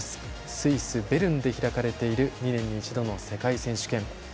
スイス・ベルンで開かれている２年に一度の世界選手権。